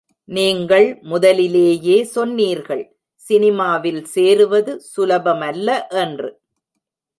நீங்கள் முதலிலேயே சொன்னீர்கள், சினிமாவில் சேருவது சுலபமல்ல என்று.